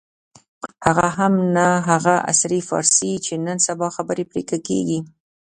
هغه هم نه هغه عصري فارسي چې نن سبا خبرې پرې کېږي.